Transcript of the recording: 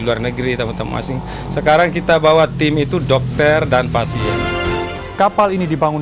luar negeri teman teman asing sekarang kita bawa tim itu dokter dan pasien kapal ini dibangun